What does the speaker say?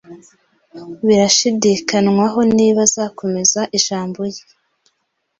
Birashidikanywaho niba azakomeza ijambo rye